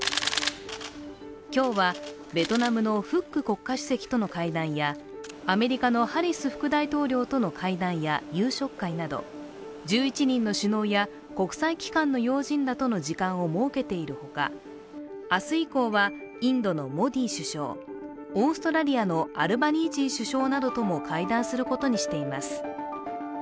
今日は、ベトナムのフック国家主席との会談やアメリカのハリス副大統領との会談や夕食会など１１人の首脳や国際機関の要人らとの時間を設けているほか、明日以降は、インドのモディ首相、オーストラリアのアルバニージー首相などとも会談することにしています。